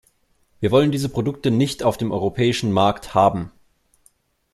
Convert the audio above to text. Wir wollen diese Produkte nicht auf dem europäischen Markt haben.